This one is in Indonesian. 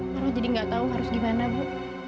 karena jadi nggak tahu harus gimana bu